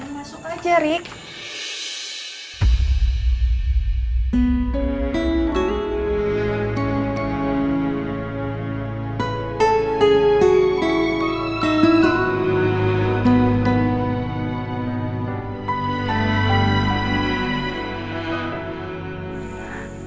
masuk aja rick